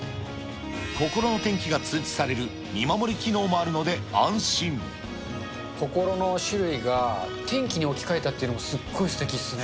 心の天気が通知される見守り機能心の種類が、天気に置き換えたっていうのもすっごいすてきっすね。